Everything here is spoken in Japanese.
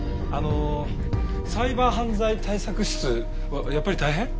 あのサイバー犯罪対策室はやっぱり大変？